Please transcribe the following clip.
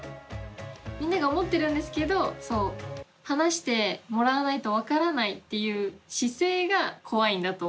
みんなが思ってるんですけど話してもらわないと分からないっていう姿勢が怖いんだと思います。